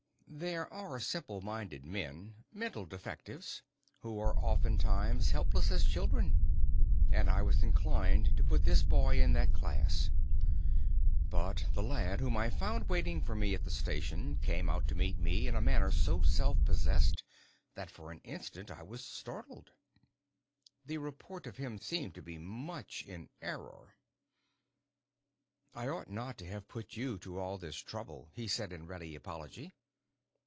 There are simple minded men mental defectives who are oftentimes helpless as children, and I was inclined to put this boy in that class. But the lad whom I found waiting for me at the station came out to meet me in a manner so self possessed that for the instant I was startled. The report of him seemed to be much in error. "I ought not to have put you to all this trouble," he said, in ready apology.